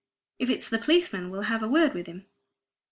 If it's the policeman we'll have a word with him."